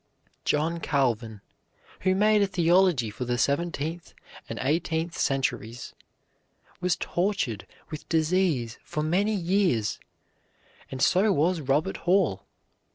John Calvin, who made a theology for the seventeenth and eighteenth centuries, was tortured with disease for many years, and so was Robert Hall.